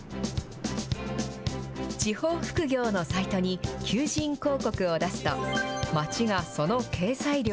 地方副業のサイトに求人広告を出すと、町がその掲載料